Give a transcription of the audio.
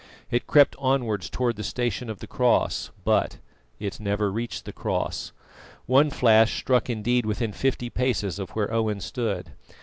It crept onwards towards the station of the cross, but it never reached the cross. One flash struck indeed within fifty paces of where Owen stood.